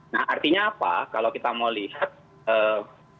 nah artinya apa kalau kita mau lihat